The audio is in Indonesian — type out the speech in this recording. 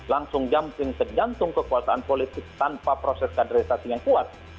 langsung jumping ke jantung kekuasaan politik tanpa proses kaderisasi yang kuat